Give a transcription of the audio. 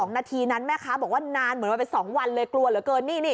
นาทีนั้นแม่ค้าบอกว่านานเหมือนมันเป็น๒วันเลยกลัวเหลือเกิน